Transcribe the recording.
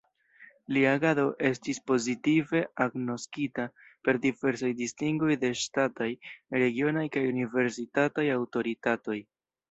Lia agado estis pozitive agnoskita per diversaj distingoj de ŝtataj, regionaj kaj universitataj aŭtoritatoj.